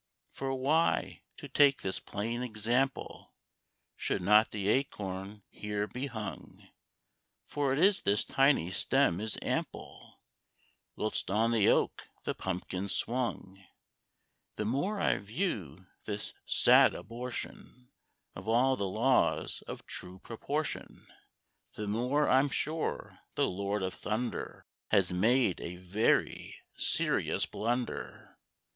For why, to take this plain example, Should not the Acorn here be hung For it this tiny stem is ample Whilst on the oak the pumpkin swung? The more I view this sad abortion Of all the laws of true proportion, The more I'm sure the Lord of Thunder Has made a very serious blunder."